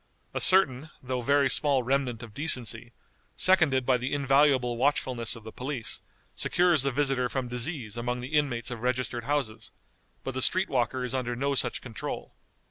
A certain, though very small remnant of decency, seconded by the invaluable watchfulness of the police, secures the visitor from disease among the inmates of registered houses, but the street walker is under no such control.